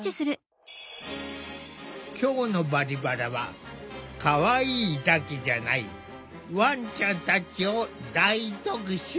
今日の「バリバラ」はかわいいだけじゃないワンちゃんたちを大特集！